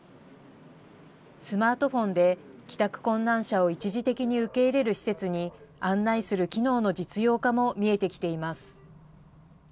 スマートフォンで、帰宅困難者を一時的に受け入れる施設に案内する機能の実用化も見えてきています。